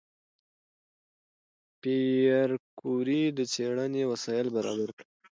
پېیر کوري د څېړنې وسایل برابر کړل.